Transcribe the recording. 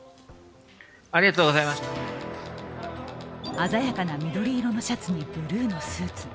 鮮やかな緑色のシャツにブルーのスーツ。